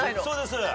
そうです。